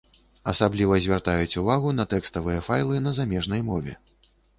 Асабліва звяртаюць увагу на тэкставыя файлы на замежнай мове.